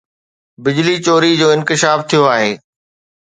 بجلي چوري جو انڪشاف ٿيو آهي